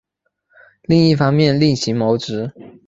另一方面另行谋职